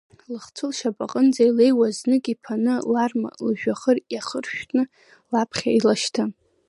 Лхцәы лшьапаҟынӡа илеиуаз, знык иԥаны, ларма жәҩахыр иахыршәҭны лаԥхьа илашьҭын.